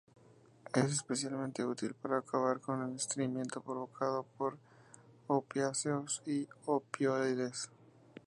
Es especialmente útil para acabar con el estreñimiento provocado por opiáceos y opioides.